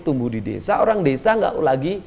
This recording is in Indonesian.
tumbuh di desa orang desa enggak lagi